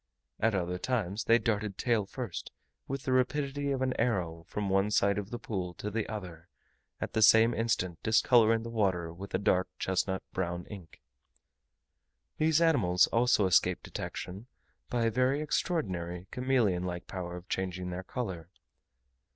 At other times they darted tail first, with the rapidity of an arrow, from one side of the pool to the other, at the same instant discolouring the water with a dark chestnut brown ink. These animals also escape detection by a very extraordinary, chameleon like power of changing their colour.